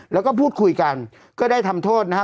แล้วก็พูดคุยกันก็ได้ทำโทษนะฮะ